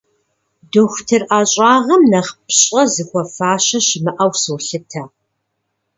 Дохутыр ӏэщӏагъэм нэхъ пщӏэ зыхуэфащэ щымыӏэу солъытэ.